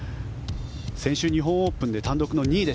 先週、日本オープンで単独２位。